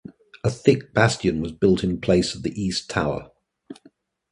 A -thick bastion was built in place of the east tower.